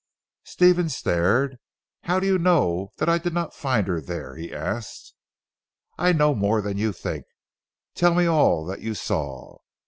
Stephen stared. "How do you know that I did not find her there?" he asked. "I know more than you think. Tell me all that you saw?"